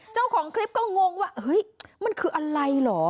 เจ้าของคลิปก็งงว่าเฮ้ยมันคืออะไรเหรอ